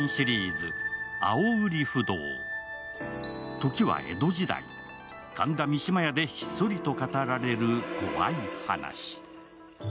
時は江戸時代、神田三島屋でひっそりと語られる怖い話。